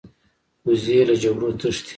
وزې له جګړو تښتي